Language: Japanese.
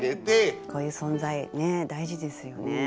こういう存在大事ですよね。